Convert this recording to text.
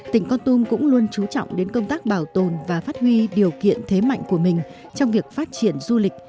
tỉnh con tum cũng luôn chú trọng đến công tác bảo tồn và phát huy điều kiện thế mạnh của mình trong việc phát triển du lịch